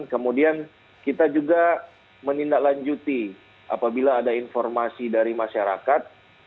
kemudian kita juga menindaklanjuti apabila ada informasi dari masyarakat